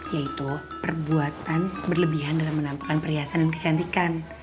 yaitu perbuatan berlebihan dalam menampilkan perhiasan dan kecantikan